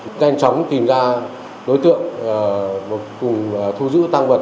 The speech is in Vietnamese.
nhanh chóng tìm ra đối tượng cùng thu giữ tăng vật